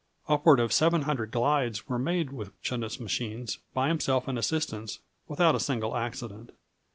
Upward of seven hundred glides were made with Chanute's machines by himself and assistants, without a single accident.